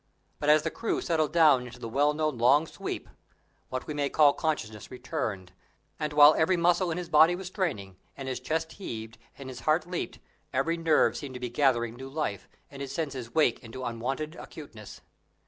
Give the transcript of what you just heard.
But, as the crew settled down into the well known long sweep, what we may call consciousness returned; and, while every muscle in his body was straining, and his chest heaved, and his heart leaped, every nerve seemed to be gathering new life, and his senses to wake into unwonted acuteness.